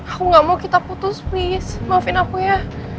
aku gak mau kita putus miss maafin aku ya